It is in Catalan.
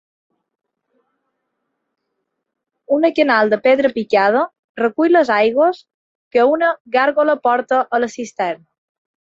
Una canal de pedra picada, recull les aigües que una gàrgola porta a la cisterna.